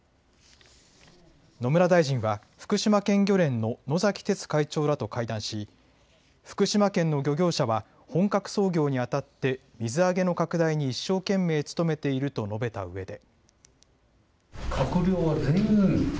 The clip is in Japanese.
野村大臣は福島県漁連の野崎哲会長らと会談し、福島県の漁業者は本格操業にあたって水揚げの拡大に一生懸命努めていると述べたうえで。